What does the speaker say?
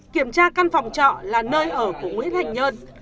kiểm tra căn phòng trọ là nơi ở của nguyễn thành nhơn